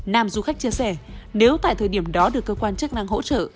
nam du khách chia sẻ nếu tại thời điểm đó được cơ quan chức năng hỗ trợ